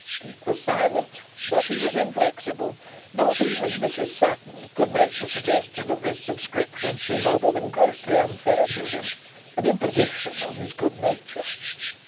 Peake was silent; but he was inflexible. Not even Mrs Sutton could make the suggestion of this subscription seem other than grossly unfair to him, an imposition on his good nature.